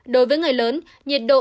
đối với người lớn nhiệt độ